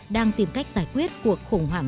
đang tìm cách giải quyết cuộc khủng hoảng